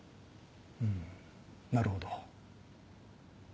うんなるほど。